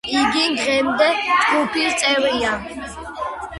იგი დღემდე ჯგუფის წევრია.